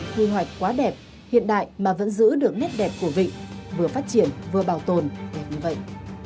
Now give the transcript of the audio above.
quy hoạch quá đẹp hiện đại mà vẫn giữ được nét đẹp của vịnh vừa phát triển vừa bảo tồn đẹp như vậy